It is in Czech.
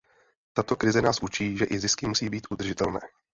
Tato krize nás učí, že i zisky musí být udržitelné.